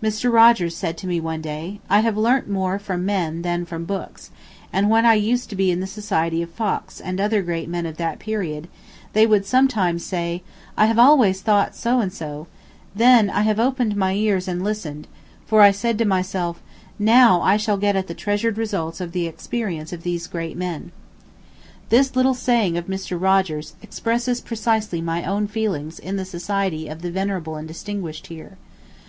Mr. Rogers said to me one day: "I have learnt more from men that from books, and when I used to be in the society of Fox and other great men of that period, and they would sometimes say 'I have always thought so and so,' then I have opened my ears and listened, for I said to myself, now I shall get at the treasured results of the experience of these great men." This little saying of Mr. Rogers expresses precisely my own feelings in the society of the venerable and distinguished here.